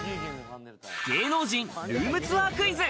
芸能人ルームツアークイズ。